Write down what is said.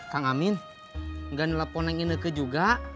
kak amin gak ngeleponin ineke juga